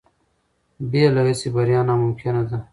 بې له هڅې بریا ناممکنه ده.